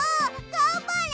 がんばれ！